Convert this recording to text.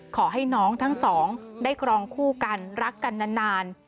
ขอให้น้องทั้งสองได้ครองคู่กันรักกันนาน